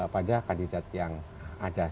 pada kandidat yang ada